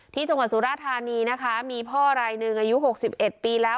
ที่จังหวัดสุราธารณีนะคะมีพ่อรายนึงอายุหกสิบเอ็ดปีแล้ว